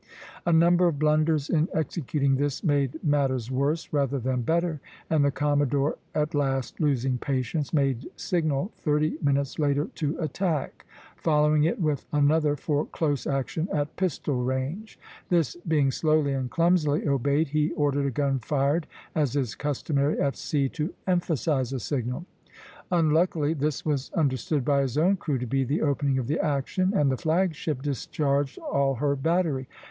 A number of blunders in executing this made matters worse rather than better; and the commodore, at last losing patience, made signal thirty minutes later to attack (Plate XVII., A), following it with another for close action at pistol range. This being slowly and clumsily obeyed, he ordered a gun fired, as is customary at sea to emphasize a signal; unluckily this was understood by his own crew to be the opening of the action, and the flag ship discharged all her battery.